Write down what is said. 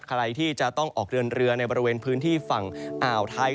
ใครที่จะต้องออกเดินเรือในบริเวณพื้นที่ฝั่งอ่าวไทย